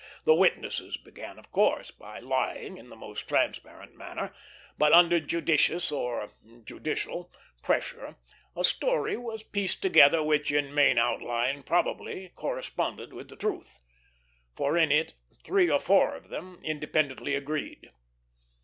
The witnesses began, of course, by lying in the most transparent manner, but under judicious or judicial pressure a story was pieced together which in main outline probably corresponded with the truth; for in it three or four of them independently agreed.